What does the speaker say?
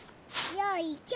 よいしょ。